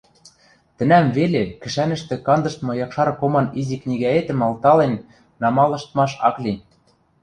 Тӹнӓм веле кӹшӓнӹштӹ кандыштмы якшар коман изи книгӓэтӹм алтален намалыштмаш ак ли.